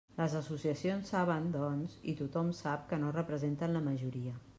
Les associacions saben, doncs, i tothom sap que no representen la majoria.